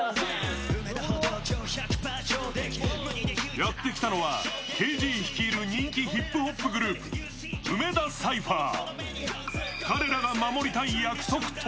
やってきたのはＫＺ率いる人気ヒップホップグループ梅田サイファー。